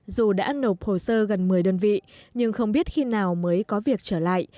dù đã nộp hồ sơ gần một mươi đơn vị nhưng không biết khi nào mới có việc trở lại